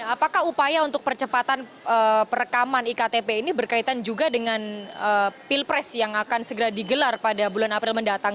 apakah upaya untuk percepatan perekaman iktp ini berkaitan juga dengan pilpres yang akan segera digelar pada bulan april mendatang